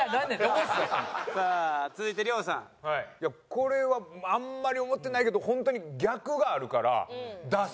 これはあんまり思ってないけど本当に逆があるから。